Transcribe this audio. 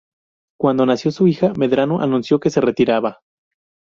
Cuando nació su hija, Medrano anunció que se retiraba.